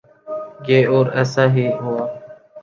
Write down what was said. گے اور ایسا ہی ہوا۔